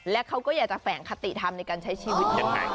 และเขาก็อยากจะแฝงคติธรรมในการใช้ชีวิต